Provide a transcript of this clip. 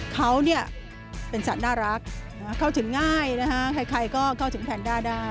เขาเนี่ยเป็นสัตว์น่ารักเข้าถึงง่ายนะฮะใครก็เข้าถึงแพนด้าได้